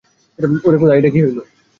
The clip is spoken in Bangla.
ওরে খোদা, এইডা কি হইলো!